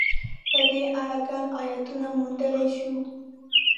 په دې اړه ګڼ ایتونه موندلای شو.